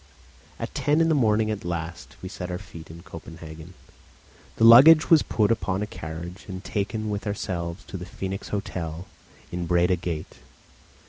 At ten in the morning, at last, we set our feet in Copenhagen; the luggage was put upon a carriage and taken with ourselves to the Phoenix Hotel in Breda Gate.